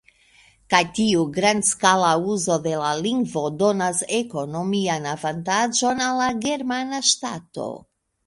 Kaj tiu grandskala uzo de la lingvo donas ekonomian avantaĝon al la germana ŝtato.